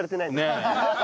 ねえ。